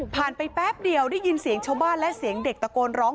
ไปแป๊บเดียวได้ยินเสียงชาวบ้านและเสียงเด็กตะโกนร้อง